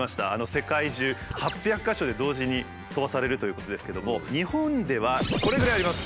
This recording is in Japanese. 世界中８００か所で同時に飛ばされるということですけども日本ではこれぐらいあります。